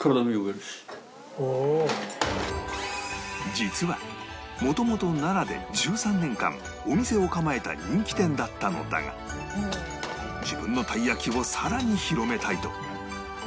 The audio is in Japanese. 実は元々奈良で１３年間お店を構えた人気店だったのだが自分のたい焼きをさらに広めたいと